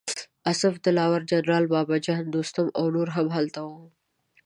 اصف دلاور، جنرال بابه جان، دوستم او نور هم هلته وو.